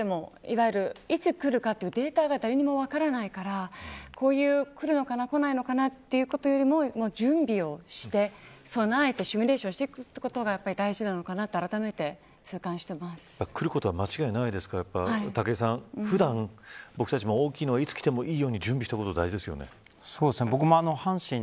今データでも、いつくるかということが誰にも分からないからくるのかな、こないのかなということよりも準備をして、備えてシミュレーションしていることが大事なのかなとくることは間違いないですから武井さん、普段僕たちも大きいのがいつきてもいいように準備しておくことが大事ですよね。